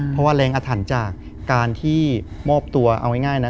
เพราะว่าแรงอาถรรพ์จากการที่มอบตัวเอาง่ายนะ